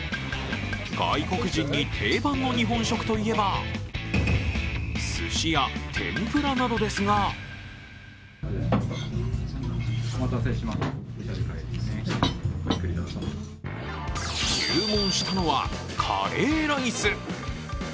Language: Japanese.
外国人に定番の日本食といえば、すしや天ぷらなどですが注文したのは、カレーライス。